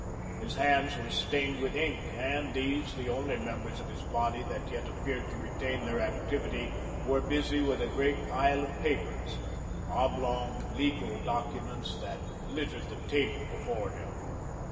His hands were stained with ink, and these, the only members of his body that yet appeared to retain their activity, were busy with a great pile of papers, oblong, legal documents, that littered the table before him.